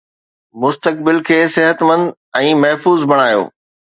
مستقبل کي صحتمند ۽ محفوظ بڻايو